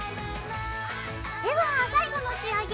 では最後の仕上げ。